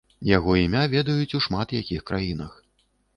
Яго імя ведаюць у шмат якіх краінах.